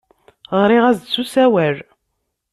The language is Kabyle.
Ɣriɣ-as-d s usawal.